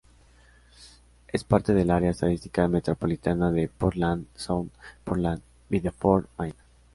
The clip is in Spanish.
Es parte del área estadística metropolitana de Portland-South Portland-Biddeford, Maine.